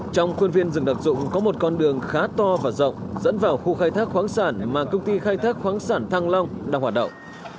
trong khuôn viên rừng đặc dụng có một con đường khá to và rộng dẫn vào khu khai thác khoáng sản mà công ty khai thác khoáng sản thăng long đang hoạt động